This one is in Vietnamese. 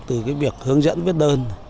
từ việc hướng dẫn viết đơn